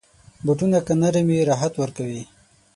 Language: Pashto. بوټونه که نرم وي، راحت ورکوي.